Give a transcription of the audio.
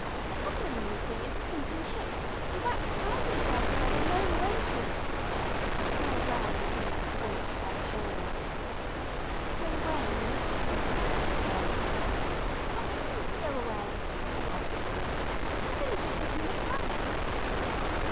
A submarine, you see, is a sinking ship, and rats pride themselves so on knowing when to " Sarah Brown seized the witch by the shoulder. "Go away, witch," she said. "How d'you mean go away?" asked the witch. "I've only just this minute come."